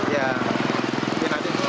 yang sisi depannya